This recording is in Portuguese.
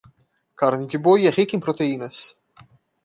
Carne de boi é rica em proteínas.